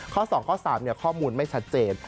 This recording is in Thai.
ข้อ๒ข้อ๓ข้อมูลไม่ชัดเจน